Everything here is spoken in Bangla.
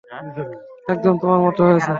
একদম তোমার মতো হয়েছে।